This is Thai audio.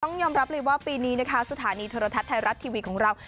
ยอมรับเลยว่าปีนี้นะคะสถานีโทรทัศน์ไทยรัฐทีวีของเรา